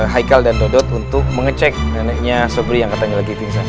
haikal dan dodot untuk mengecek neneknya sopri yang katanya lagi pingsan